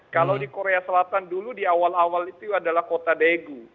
kalau di korea selatan dulu di awal awal itu adalah kota daegu